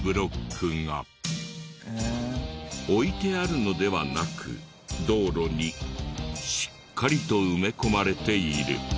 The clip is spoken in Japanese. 置いてあるのではなく道路にしっかりと埋め込まれている。